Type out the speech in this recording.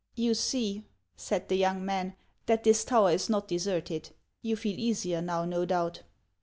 "You see," said the young man, "that this tower is not deserted. You feel easier now, no doubt."